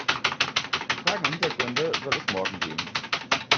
Um Fragen und Hintergründe soll es morgen gehen.